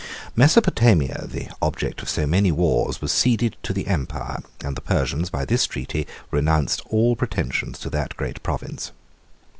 78 Mesopotomia, the object of so many wars, was ceded to the empire; and the Persians, by this treaty, renounced all pretensions to that great province.